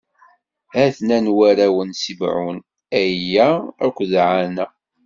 A-ten-an warraw n Ṣibɛun: Aya akked Ɛana.